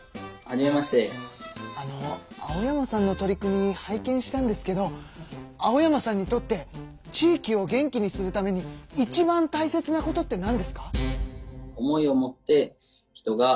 あの青山さんの取り組み拝見したんですけど青山さんにとって地域を元気にするためにいちばんたいせつなことってなんですか？